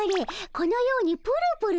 このようにプルプルゆれる。